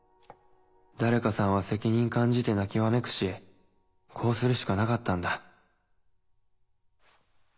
誰かさんは責任感じて泣きわめくしこうするしかなかったんだ。